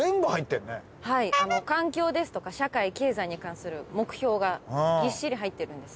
はい環境ですとか社会経済に関する目標がぎっしり入ってるんです。